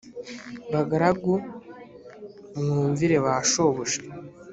bagaragu mwumvire ba shobuja